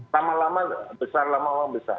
lama lama besar lama lama besar